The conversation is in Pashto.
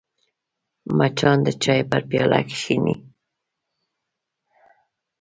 مچان د چای پر پیاله کښېني